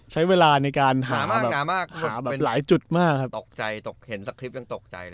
ใช้เวลาในการหามากมากมากหาแบบหลายจุดมากครับตกใจตกเห็นสคริปต์ยังตกใจเลย